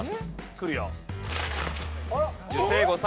くるよ。